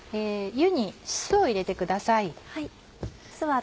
湯に酢を入れてください。